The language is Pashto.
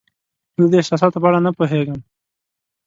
زه د احساساتو په اړه نه پوهیږم.